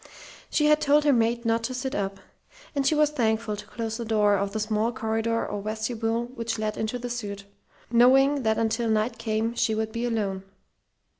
She had told her maid not to sit up; and she was thankful to close the door of the small corridor or vestibule which led into the suite, knowing that until Knight came she would be alone.